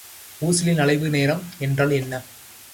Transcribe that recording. ஊசலின் அலைவு நேரம் என்றால் என்ன?